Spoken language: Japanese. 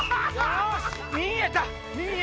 見えた！